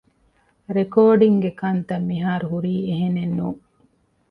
ރެކޯޑިންގގެ ކަންތައް މިހާރުހުރީ އެހެނެއްނޫން